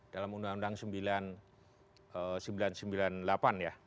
dalam undang undang seribu sembilan ratus sembilan puluh delapan ya